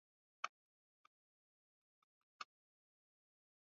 Mawasiliano kuhusu mchakato unaotumika na utaratibu wa maamuzi